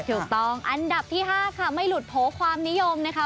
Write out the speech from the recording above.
อันดับที่๕ค่ะไม่หลุดโผล่ความนิยมนะคะ